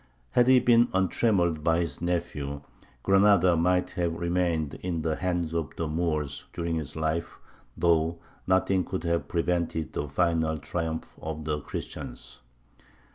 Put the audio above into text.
Had he been untrammelled by his nephew, Granada might have remained in the hands of the Moors during his life, though nothing could have prevented the final triumph of the Christians.